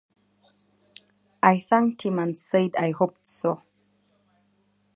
I thanked him and said I hoped so.